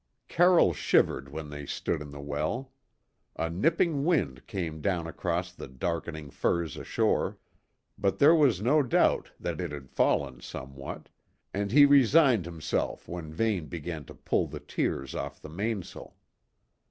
Carroll shivered when they stood in the well. A nipping wind came down across the darkening firs ashore, but there was no doubt that it had fallen somewhat, and he resigned himself when Vane began to pull the tiers off the mainsail.